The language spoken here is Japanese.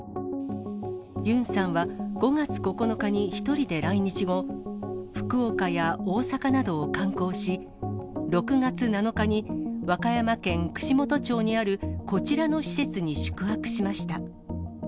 ユンさんは５月９日に１人で来日後、福岡や大阪などを観光し、６月７日に和歌山県串本町にあるこちらの施設に宿泊しました。